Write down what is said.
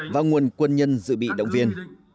và nguồn quân nhân dự bị động viên